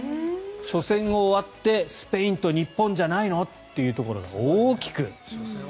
初戦が終わってスペインと日本じゃないの？というところが大きく。